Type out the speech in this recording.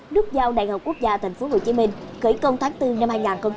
nút giao đại học quốc gia thành phố hồ chí minh kể công tháng bốn năm hai nghìn một mươi sáu